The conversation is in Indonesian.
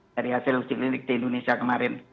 dari hasil uji klinik di indonesia kemarin